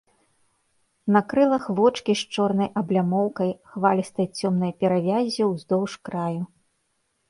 На крылах вочкі з чорнай аблямоўкай, хвалістай цёмнай перавяззю ўздоўж краю.